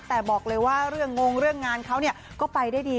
แต่บอกเลยว่าเรื่องงงเรื่องงานเขาก็ไปได้ดี